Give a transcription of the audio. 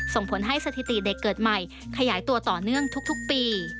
ส่งผลให้สถิติเด็กเกิดใหม่ขยายตัวต่อเนื่องทุกปี